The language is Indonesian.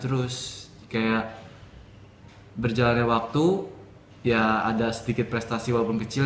terus kayak berjalannya waktu ya ada sedikit prestasi walaupun kecil